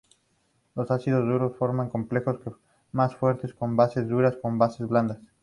Los ácidos duros forman complejos más fuertes con bases duras que con bases blandas.